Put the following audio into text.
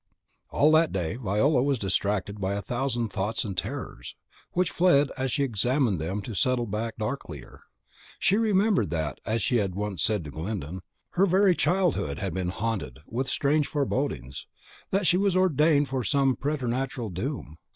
All that day Viola was distracted by a thousand thoughts and terrors, which fled as she examined them to settle back the darklier. She remembered that, as she had once said to Glyndon, her very childhood had been haunted with strange forebodings, that she was ordained for some preternatural doom.